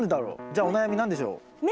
じゃあお悩み何でしょう？